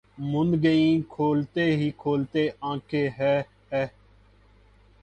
مُند گئیں کھولتے ہی کھولتے آنکھیں ہَے ہَے!